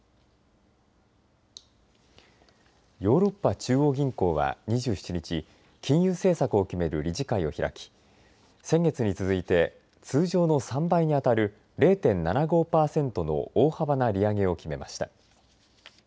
ヨーロッパ中央銀行は２７日金融政策を決める理事会を開き先月に続いて通常の３倍に当たる０．７５パーセントの大幅な利上げを決めました。